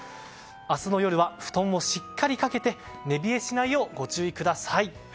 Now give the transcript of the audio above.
明日の夜は布団をしっかりかけて寝冷えしないようご注意ください。